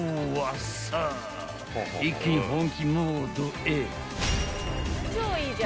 ［一気に本気モードへ］